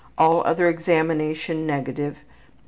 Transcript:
All other examination negative.